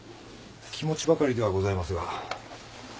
気持ちばかりではございますが。